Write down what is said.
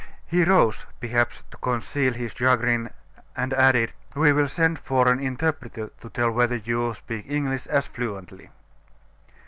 He rose, perhaps to conceal his chagrin, and added: "We will send for an interpreter to tell us whether you speak English as fluently."